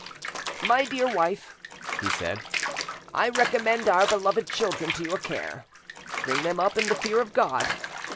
"My dear wife," he said, "I recommend our beloved children to your care: bring them up in the fear of God.